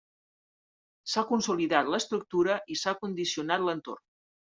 S'ha consolidat l'estructura i s'ha condicionat l'entorn.